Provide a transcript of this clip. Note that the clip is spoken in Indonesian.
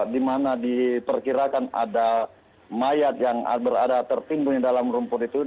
di mana diperkirakan ada mayat yang berada tertimbun di dalam rumput itu